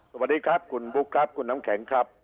สวัสดีครับคุณบุ๊คครับคุณน้ำแข็งครับ